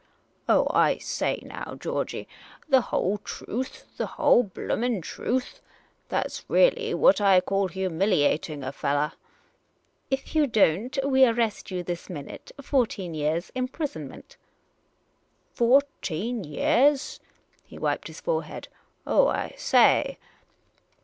''" Oh, I say now, Georgey ! The whole truth ! the whole blooming truth ! That 's really what I call humiliating a fellah !"" If you don't, we arrest you this minute — fourteen years' imprisonment !"" Fourteen yeahs ?" He wiped his forehead. " Oh, I say